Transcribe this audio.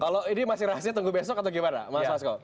kalau ini masih rahasia tunggu besok atau gimana mas asko